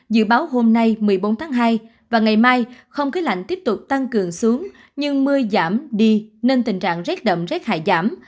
dự báo hôm nay một mươi bốn tháng hai và ngày mai không khí lạnh tiếp tục tăng cường xuống nhưng mưa giảm đi nên tình trạng rét đậm rét hại giảm